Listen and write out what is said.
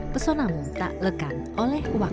pesona muntah lekan oleh hewan